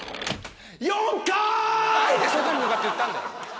４回‼何で外に向かって言ったんだよ。